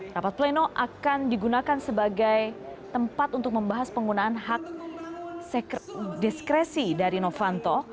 rapat pleno akan digunakan sebagai tempat untuk membahas penggunaan hak diskresi dari novanto